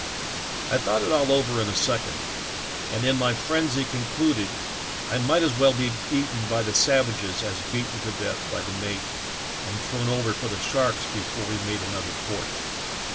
I thought it all over in a second, and in my frenzy concluded I might as well be eaten by the savages as beaten to death by the mate and thrown over for the sharks before we made another port.